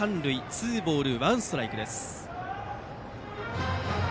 ツーボールワンストライクです。